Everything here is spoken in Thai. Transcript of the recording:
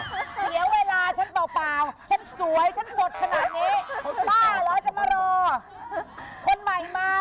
เสียเวลาฉันเปล่าฉันสวยฉันสดขนาดนี้บ้าเหรอจะมารอคนใหม่มา